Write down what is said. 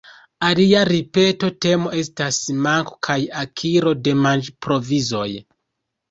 Alia ripeta temo estas manko kaj akiro de manĝ-provizoj.